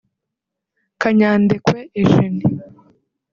Kanyandekwe Eugene